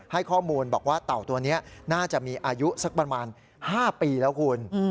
ให้ข้อมูลบอกว่าเต่าตัวนี้น่าจะมีอายุสักประมาณ๕ปีแล้วคุณ